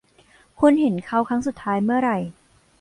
คุณเห็นเขาครั้งสุดท้ายเมื่อไหร่